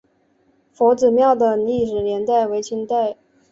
佛子庙的历史年代为清代。